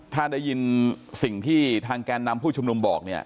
ถ้าได้ยินสิ่งที่ทางแกนนำผู้ชุมนุมบอกเนี่ย